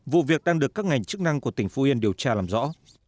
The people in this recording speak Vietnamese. vụ việc đang được các ngành chức năng của tỉnh phú yên điều tra làm rõ